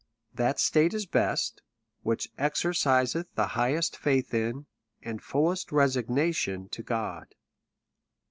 That state is best, wliich exerciseth the highest faith in, and fullest resignation to God.